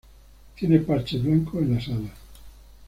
Tiene parches blancos en las alas.